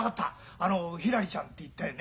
あのひらりちゃんっていったよね。